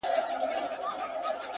وخت د ژمنتیا رښتینولی ازموي!